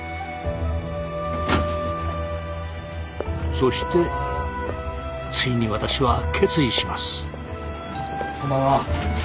そしてついに私は決意します。